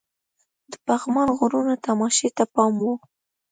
د پغمان غرونو تماشې ته پام وو.